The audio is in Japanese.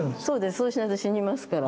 そうしないと死にますから。